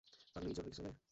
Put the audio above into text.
পাগলি, জরুরি কিছু হলে?